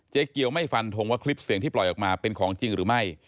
เกียวไม่ฟันทงว่าคลิปเสียงที่ปล่อยออกมาเป็นของจริงหรือไม่